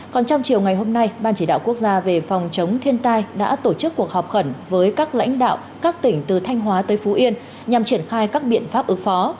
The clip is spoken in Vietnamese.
còn trong chiều ngày hôm nay ban chỉ đạo quốc gia về phòng chống thiên tai đã tổ chức cuộc họp khẩn với các lãnh đạo các tỉnh từ thanh hóa tới phú yên nhằm triển khai các biện pháp ứng phó